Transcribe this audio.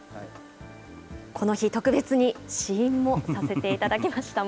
この日、特別に試飲もさせていただきました。